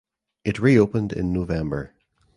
It reopened in November.